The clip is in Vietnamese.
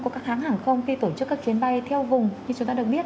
của các hãng hàng không khi tổ chức các chuyến bay theo vùng như chúng ta được biết